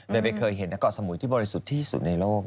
ไม่เคยเห็นเกาะสมุยที่บริสุทธิ์ที่สุดในโลก